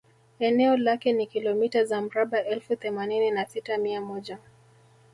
Eneo lake ni kilometa za mraba elfu themanini na sita mia moja